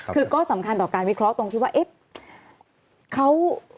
คือก็สำคัญต่อการวิเคราะห์ตรงที่ว่าเอ๊ะ